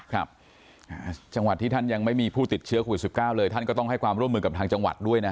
ครับจังหวัดที่ท่านยังไม่มีผู้ติดเชื้อโควิด๑๙เลยท่านก็ต้องให้ความร่วมมือกับทางจังหวัดด้วยนะฮะ